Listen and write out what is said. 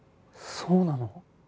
そうなの？